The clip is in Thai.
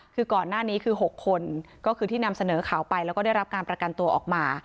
คือก่อนหน้านี้คือ๖คนก็คือที่นำเสนอข่าวไปแล้วก็ได้รับการประกันตัวออกมา